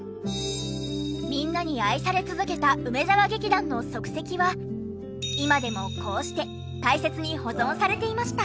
みんなに愛され続けた梅沢劇団の足跡は今でもこうして大切に保存されていました。